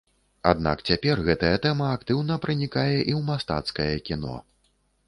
Аднак цяпер гэтая тэма актыўна пранікае і ў мастацкае кіно.